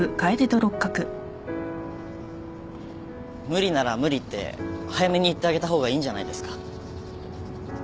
無理なら無理って早めに言ってあげた方がいいんじゃないですか？